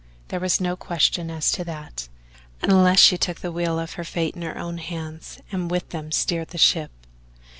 There was no question as to that, unless she took the wheel of her fate in her own hands and with them steered the ship.